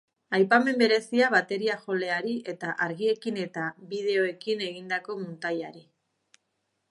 Aipamen berezia bateria-joleari eta argiekin eta bideokin egindako muntaiari.